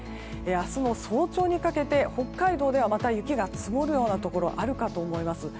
明日の早朝にかけて北海道ではまた雪が積もるようなところあるかと思います。